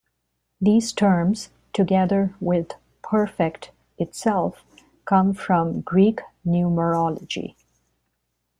These terms, together with "perfect" itself, come from Greek numerology.